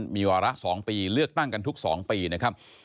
มีวาระ๒ปีเลือกตั้งกันทุก๒ปีนะครับ